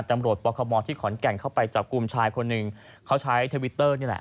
ตำรวจปคมที่ขอนแก่นเข้าไปจับกลุ่มชายคนหนึ่งเขาใช้ทวิตเตอร์นี่แหละ